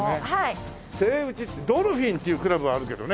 セイウチってドルフィンっていうクラブはあるけどね